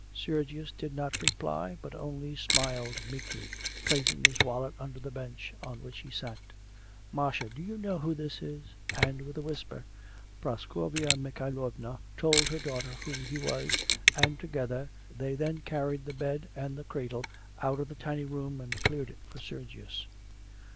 Sergius did not reply, but only smiled meekly, placing his wallet under the bench on which he sat. 'Masha, do you know who this is?' And in a whisper Praskovya Mikhaylovna told her daughter who he was, and together they then carried the bed and the cradle out of the tiny room and cleared it for Sergius.